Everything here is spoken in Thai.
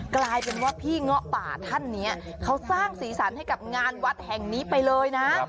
กลายเป็นว่าพี่เงาะป่าท่านนี้เขาสร้างสีสันให้กับงานวัดแห่งนี้ไปเลยนะ